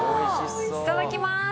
いただきます。